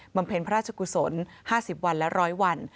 เพ็ญพระราชกุศล๕๐วันและ๑๐๐วัน